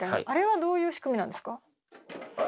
あれはどういう仕組みなんですか？